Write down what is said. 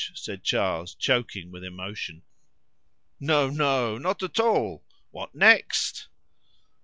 said Charles, choking with emotion. "No, no! not at all! What next!"